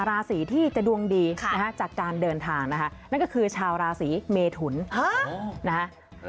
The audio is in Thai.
ราศีที่จะดวงดีนะฮะจากการเดินทางนะคะนั่นก็คือชาวราศีเมทุนนะฮะ